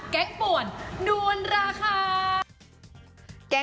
แก๊งปวดดวนราคา